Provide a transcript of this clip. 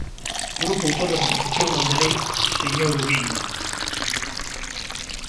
Grupo autor da proposición non de lei, señor Ubiña.